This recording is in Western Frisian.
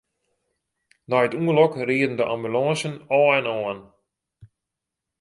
Nei it ûngelok rieden de ambulânsen ôf en oan.